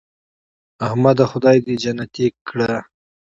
احمده خدای دې جنتې کړه .